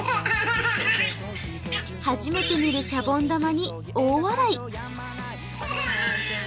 初めて見るシャボン玉に大笑い。